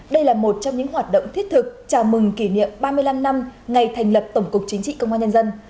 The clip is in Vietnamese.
đây là một trong những hoạt động thiết thực chào mừng kỷ niệm ba mươi năm năm ngày thành lập tổng cục chính trị công an nhân dân